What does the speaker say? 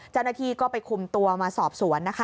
เจ้าหน้าที่ก็ไปคุมตัวมาสอบสวนนะคะ